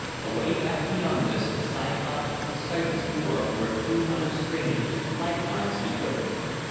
Away back beyond this Cyclops of the Sightless Orb were two other strangers likewise equipped.